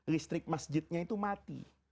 listrik masjidnya itu mati